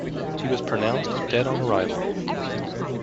He was pronounced dead on arrival.